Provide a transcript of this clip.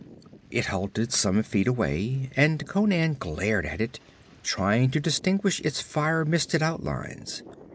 It halted some feet away and Conan glared at it, trying to distinguish its fire misted outlines.